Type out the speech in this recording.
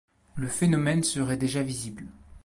Le phénomène serait déjà visible.